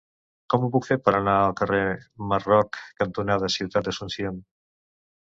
Com ho puc fer per anar al carrer Marroc cantonada Ciutat d'Asunción?